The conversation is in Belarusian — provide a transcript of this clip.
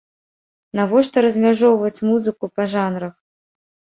Навошта размяжоўваць музыку па жанрах.